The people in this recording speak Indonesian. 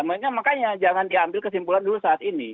makanya jangan diambil kesimpulan dulu saat ini